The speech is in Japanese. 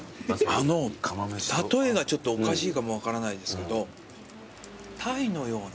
あの例えがちょっとおかしいかも分からないですけどタイのような。